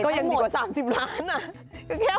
ยังดีกว่า๓๐ล้านนะ